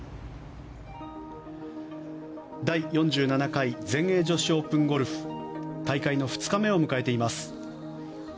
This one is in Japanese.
第４７回全英女子オープンゴルフ大会の２日目を迎えています。